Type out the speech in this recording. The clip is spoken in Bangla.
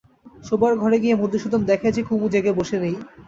শোবার ঘরে গিয়ে মধুসূদন দেখে যে কুমু জেগে বসে নেই।